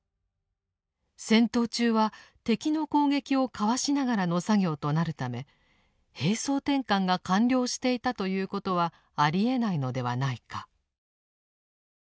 戦闘中は敵の攻撃をかわしながらの作業となるため兵装転換が完了していたということはありえないのではないか。